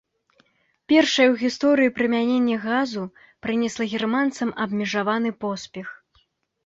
Першае ў гісторыі прымяненне газу прынесла германцам абмежаваны поспех.